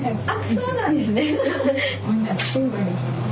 そうなんですね。